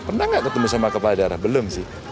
pernah nggak ketemu sama kepala daerah belum sih